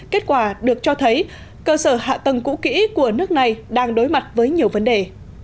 kết quả được cho thấy cơ sở hạ tầng cũ kỹ của nước này đang đối mặt với nhiều vấn đề